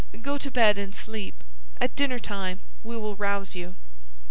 Go to bed and sleep; at dinnertime we will rouse you."